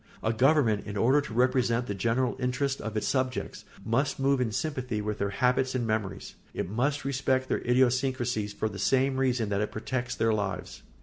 A government, in order to represent the general interests of its subjects, must move in sympathy with their habits and memories; it must respect their idiosyncrasy for the same reason that it protects their lives.